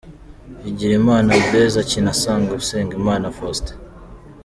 Bigirimana Blaise akina asanga Usengimana Faustin.